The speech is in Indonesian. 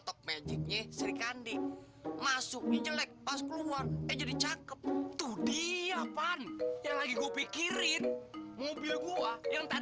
oklah nosso rup fraction dari rp lima ratus lima rubber jumped